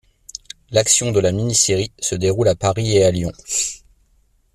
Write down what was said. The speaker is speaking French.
L'action de la mini-série se déroule à Paris et à Lyon.